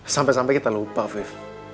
sampai sampai kita lupa five